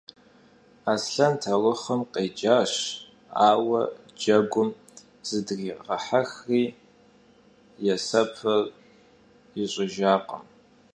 Aslhen taurıxhım khêcaş, aue, cegunım zıdriğehexri, yêsepır yiş'ıjjakhım.